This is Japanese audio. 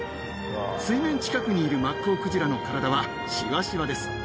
水面近くにいるマッコウクジラの体はシワシワです。